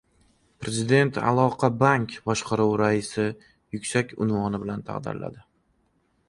Prezident «Aloqabank» Boshqaruvi raisini yuksak unvon bilan taqdirladi